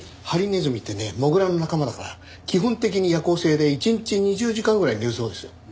ハリネズミってねモグラの仲間だから基本的に夜行性で一日２０時間ぐらい寝るそうですよ。